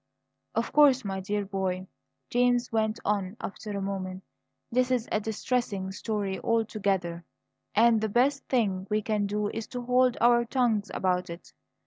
"Of course, my dear boy," James went on after a moment, "this is a distressing story altogether, and the best thing we can do is to hold our tongues about it.